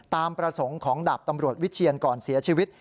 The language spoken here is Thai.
ตามประสงค์ของดาบตำรวจวิเชียนก่อนเสียชีวิต